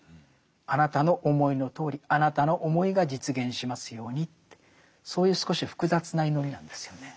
あなたの思いのとおりあなたの思いが実現しますようにってそういう少し複雑な祈りなんですよね。